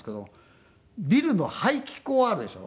ビルの排気口あるでしょ？